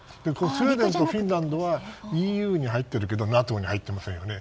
スウェーデンとフィンランドはＥＵに入っているけどＮＡＴＯに入っていませんよね。